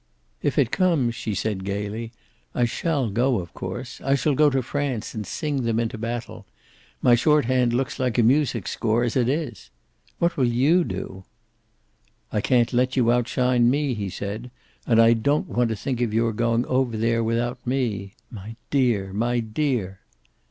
"If it comes," she said, gayly, "I shall go, of course. I shall go to France and sing them into battle. My shorthand looks like a music score, as it is. What will you do?" "I can't let you outshine me," he said. "And I don't want to think of your going over there without me. My dear! My dear!"